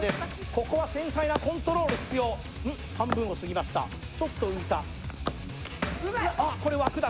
ここは繊細なコントロール必要半分を過ぎましたちょっと浮いたこれ枠だ